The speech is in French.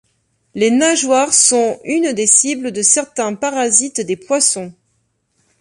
Les nageoires sont une des cibles de certains parasites des poissons.